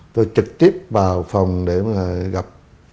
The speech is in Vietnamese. tôi trực tiếp vào phòng để gặp